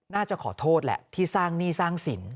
น่าจะขอโทษแหละที่สร้างหนี้สร้างสิน